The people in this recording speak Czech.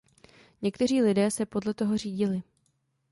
Někteří lidé se podle toho řídili.